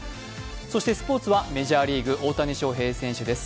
そしてスポーツはメジャーリーグ大谷翔平選手です。